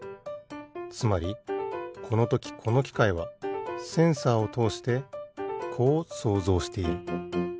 つまりこのときこのきかいはセンサーをとおしてこう想像している。